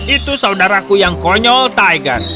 itu saudaraku yang konyol tigor